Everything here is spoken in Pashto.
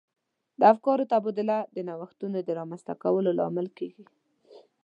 د افکارو تبادله د نوښتونو د رامنځته کولو لامل کیږي.